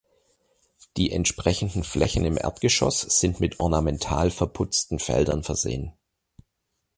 Die entsprechenden Flächen im Erdgeschoss sind mit ornamental verputzten Feldern versehen.